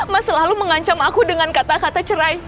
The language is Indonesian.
mas selalu mengancam aku dengan kata kata cerai